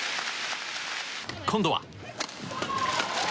今度は。